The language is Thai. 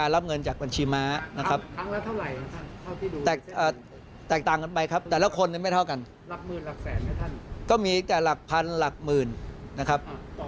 ระยะเวลาแหละครับ